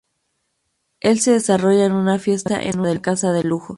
El se desarrolla en una fiesta en una casa de lujo.